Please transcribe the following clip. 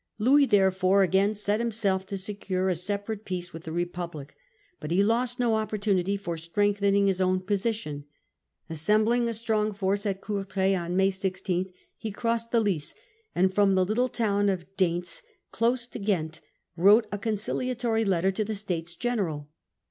Louis therefore again set himself to secure a separate peace with the Republic. But he lost no opportunity of strengthening his own position. Assembling a strong force at Courtrai on May 16, he passed the Lys, and from the little town of Deynse, close to Ghent, wrote a States conciliatory letter to the States General.